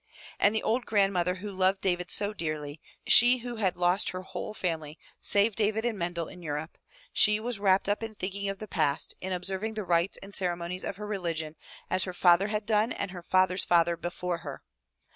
And the old grandmother who loved David so dearly, she who had lost her whole family save David and Mendel in Europe, she was wrapped up in think ing of the past, in observing the rites and ceremonies of her religion 178 FROM THE TOWER WINDOW as her father had done and her father's father before her.